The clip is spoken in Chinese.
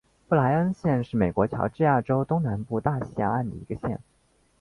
布赖恩县是美国乔治亚州东南部大西洋岸的一个县。